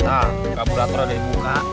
kak kabulator ada di buka